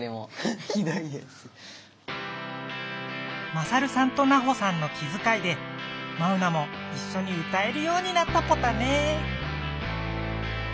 マサルさんとナホさんの気づかいでマウナもいっしょに歌えるようになったポタね。